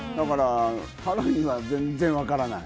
ハロウィーンは全然わからない。